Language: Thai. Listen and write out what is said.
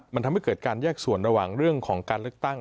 มันทำให้เกิดการแยกส่วนระหว่างเรื่องของการเลือกตั้ง